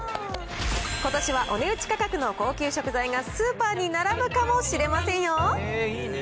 ことしはお値打ち価格の高級食材がスーパーに並ぶかもしれませんよ。